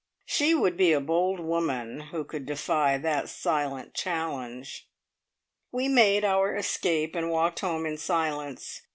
She would be a bold woman who could defy that silent challenge! We made our escape, and walked home in silence.